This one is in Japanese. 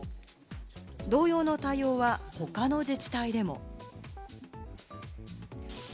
同様の対応は他の自治体でも。